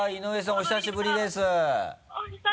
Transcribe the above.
お久しぶりです。